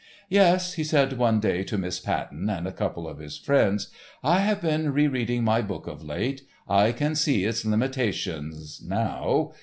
"Yes," he said one day to Miss Patten and a couple of his friends, "I have been re reading my book of late. I can see its limitations—now.